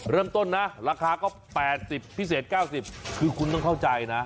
เริ่มต้นนะราคาก็๘๐พิเศษ๙๐คือคุณต้องเข้าใจนะ